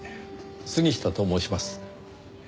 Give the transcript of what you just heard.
杉下と申します。